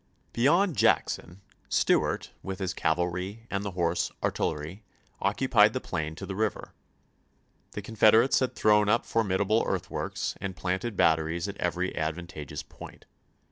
Beyond Jackson, Stuart with his cavalry and the horse artillery occupied the plain to the river. The Confederates had thrown up formidable earthworks and planted batteries at every advanta geous point.